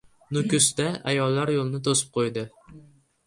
Nukusda ayollar yo‘lni to‘sib qo‘ydi